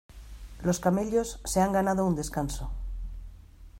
Los camellos se han ganado un descanso.